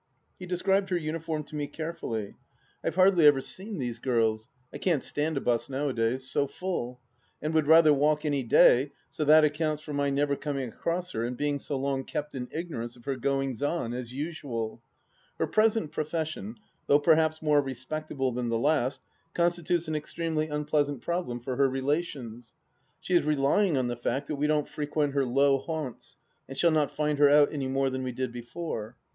He described her uniform to me carefully. I've hardly THE LAST DITCH 278 ever seen these girls ; I can't stand a bus nowadays — so full 1 and would rather walk, any day — so that accounts for my never coming across her and being so long kept in ignorance of her goings on — as usual ! Her present profession, though perhaps more respectable than the last, constitutes an extremely unpleasant problem for her relations. She is relying on the fact that we don't frequent her low haunts, and shall not find her out any more than we did before.